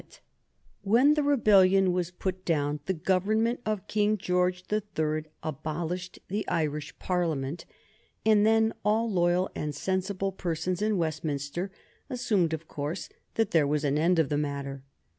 [Sidenote: 1832 The tithe question in Ireland] When the rebellion was put down the Government of King George the Third abolished the Irish Parliament, and then all loyal and sensible persons in Westminster assumed, of course, that there was an end of the matter.